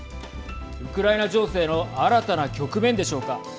ウクライナ情勢の新たな局面でしょうか。